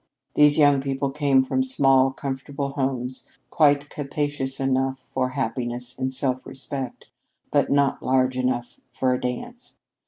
These young people came from small, comfortable homes, quite capacious enough for happiness and self respect, but not large enough for a dance.